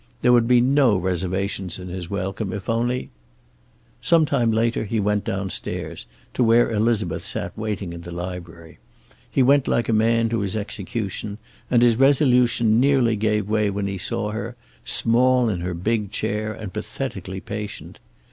There would be no reservations in his welcome, if only Some time later he went downstairs, to where Elizabeth sat waiting in the library. He went like a man to his execution, and his resolution nearly gave way when he saw her, small in her big chair and pathetically patient.